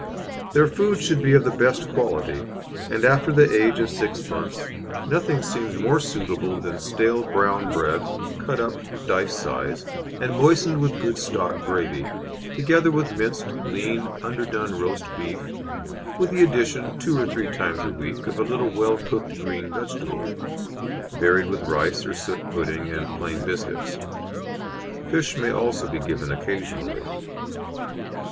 Their food should be of the best quality, and after the age of six months, nothing seems more suitable than stale brown bred, cut up dice size, and moistened with good stock gravy, together with minced, lean, underdone roast beef, with the addition, two or three times a week, of a little well cooked green vegetable, varied with rice or suet pudding and plain biscuits. Fish may also be given occasionally.